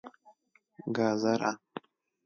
🥕 ګازره